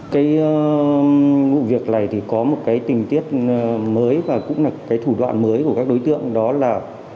cái vụ việc này thì có một cái tình tiết mới và cũng là cái thủ đoạn mới của các đối tượng đó là